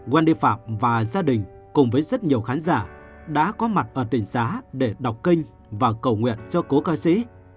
wendy phạm và gia đình cùng với rất nhiều khán giả đã có mặt ở tỉnh xá để đọc kênh và cầu nguyện cho cô ca sĩ